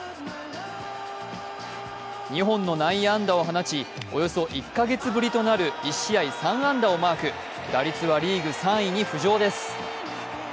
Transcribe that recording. ２本の内野安打を放ち、およそ１か月ぶりとなる１試合３安打をマーク、打率はリーグ３位に浮上です。